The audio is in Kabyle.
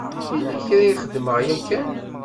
Yella kra i k-xedmeɣ yakan?